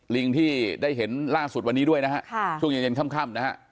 ลิงที่ได้เห็นล่าสุดวันนี้ด้วยนะฮะช่วงเย็นเย็นค่ำนะฮะ